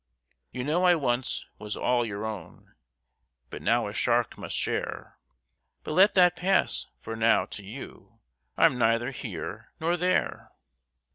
"You know I once was all your own, But now a shark must share! But let that pass for now, to you I'm neither here nor there."